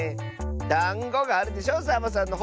「だんご」があるでしょサボさんのほう！